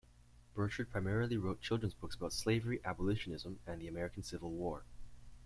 Burchard primarily wrote children's books about slavery, abolitionism, and the American Civil War.